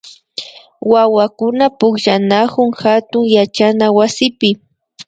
Wawakuna pukllanakun hatun yachana wasipi